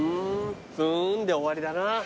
ふんで終わりだな。